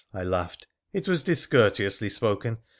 I laughed, 'it was discourteously spoken.